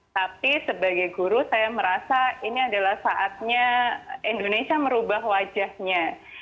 tapi sebagai guru saya merasa ini adalah saatnya indonesia merubah wajahnya